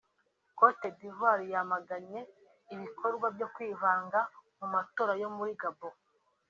Côte d’Ivoire yo yamaganye ibikorwa byo kwivanga mu matora yo muri Gabon